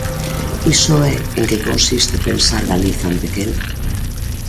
Iso é en que consiste pensar Galiza en pequeno.